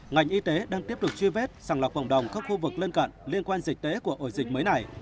ngành y tế đang tiếp tục truy vết sàng lọc bổng đồng khắp khu vực lân cận liên quan dịch tế của ổ dịch mới này